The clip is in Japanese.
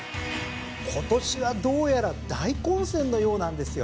今年はどうやら大混戦のようなんですよ。